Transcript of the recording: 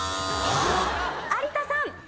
有田さん。